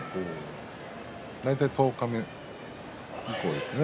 大体十日目以降ですよね。